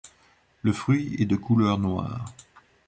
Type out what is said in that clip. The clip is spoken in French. Le fruit est de couleur noire.